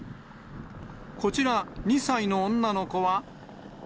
こちら、２歳の女の子は。